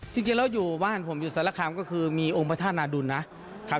จริงแล้วอยู่บ้านผมอยู่สารคามก็คือมีองค์พระธาตุนาดุลนะครับ